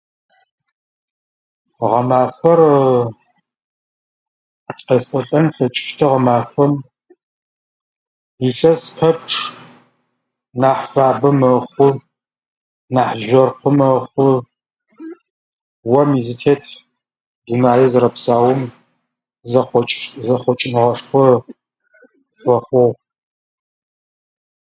ГЪэмафэр къэсӏотэн слъэкӏыстыгъ, гэмафэм илъэс пэпч нахь фабэ мэхъу. Нахь жьэрхъу мэхъу. Ом изытет дунае зэрэпсаом зэхъокӏыщ-зэхъокӏынышхоу рэхъугъ.